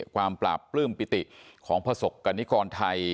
ความปราบปลื้มปิติของประสบกรณิกรไทย